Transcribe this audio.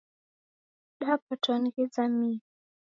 Dapatwa ni ghizamie.